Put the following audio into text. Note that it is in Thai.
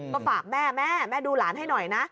ก็ฝากแม่แม่แม่ดูหลานให้หน่อยนะ